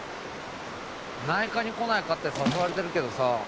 内科に来ないかって誘われてるけどさ。